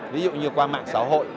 ví dụ như qua mạng xã hội